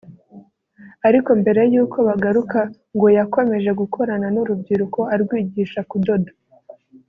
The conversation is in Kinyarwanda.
Ariko mbere y’uko bagaruka ngo yakomeje gukorana n’urubyiruko arwigisha kudoda